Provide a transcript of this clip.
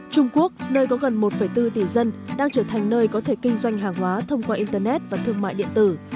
trung quốc nơi có gần một bốn tỷ dân đang trở thành nơi có thể kinh doanh hàng hóa thông qua internet và thương mại điện tử